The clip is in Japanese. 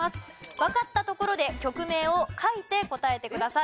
わかったところで曲名を書いて答えてください。